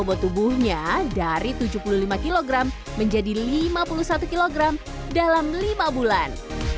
dua puluh lima kg bobot tubuhnya dari tujuh puluh lima kg menjadi lima puluh satu kg dalam lima bulan